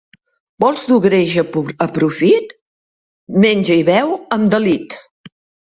Vols dur greix a profit? Menja i beu amb delit.